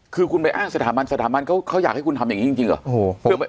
คือคุณไปอ้างสถาบันสถาบันเขาอยากให้คุณทำอย่างนี้จริงเหรอ